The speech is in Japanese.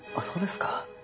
そうですか。